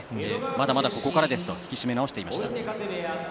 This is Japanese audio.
まだまだここからですと引き締め直していました。